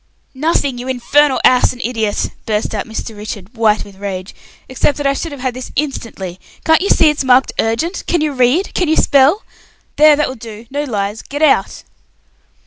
"Nothing, you infernal ass and idiot," burst out Mr. Richard, white with rage, "except that I should have had this instantly. Can't you see it's marked urgent? Can you read? Can you spell? There, that will do. No lies. Get out!"